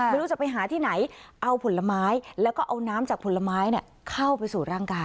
ไม่รู้จะไปหาที่ไหนเอาผลไม้แล้วก็เอาน้ำจากผลไม้เข้าไปสู่ร่างกาย